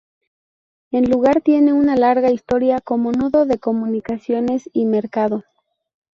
El lugar tiene una larga historia como nudo de comunicaciones y mercado.